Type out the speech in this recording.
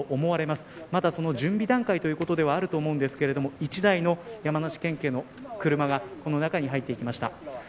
まだ、その準備段階ということではあると思いますが１台の山梨県警の車がこの中に入っていきました。